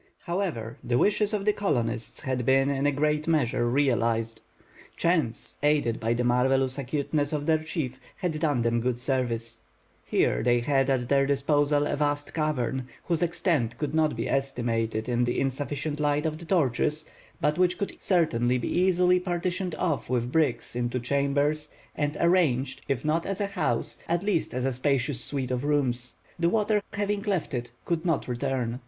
However, the wishes of the colonists had been in a great measure realized. Chance, aided by the marvelous acuteness of their chief, had done them good service. Here they had at their disposal a vast cavern, whose extent could not be estimated In the insufficient light of the torches, but which could certainly be easily partitioned off with bricks into chambers, and arranged, if not as a house, at least as a spacious suite of rooms. The water having left it, could not return.